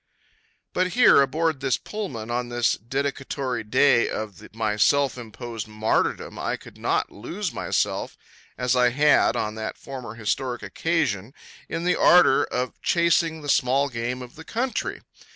But here aboard this Pullman on this, the dedicatory day of my self imposed martyrdom, I could not lose myself as I had on that former historic occasion in the ardor of chasing the small game of the country.